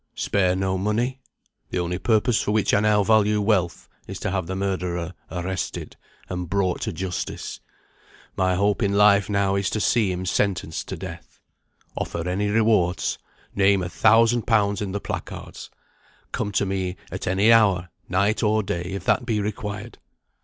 "Spare no money. The only purpose for which I now value wealth is to have the murderer arrested, and brought to justice. My hope in life now is to see him sentenced to death. Offer any rewards. Name a thousand pounds in the placards. Come to me at any hour, night or day, if that be required.